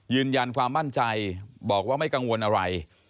ยืนยันความมั่นใจบอกว่าไม่กังวลอะไร